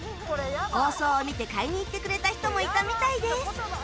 放送を見て買いに行ってくれた人もいたみたいです